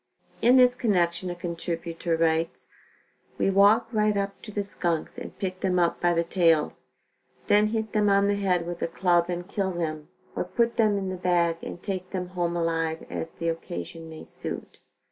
In this connection a contributor writes: "We walk right up to the skunks and pick them up by the tails; then hit them on the head with a club and kill them or put them in the bag and take them home alive, as the occasion may suit."